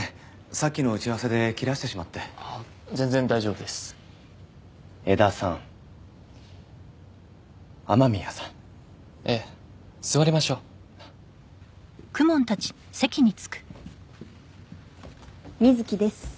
さっきの打ち合わせで切らしてしまって全然大丈夫です江田さん雨宮さんええ座りましょう瑞貴です